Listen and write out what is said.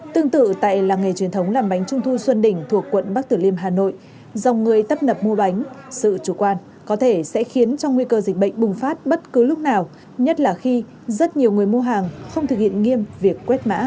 tương tự tại làng nghề truyền thống làm bánh trung thu xuân đỉnh thuộc quận bắc tử liêm hà nội dòng người tấp nập mua bánh sự chủ quan có thể sẽ khiến cho nguy cơ dịch bệnh bùng phát bất cứ lúc nào nhất là khi rất nhiều người mua hàng không thực hiện nghiêm việc quét mã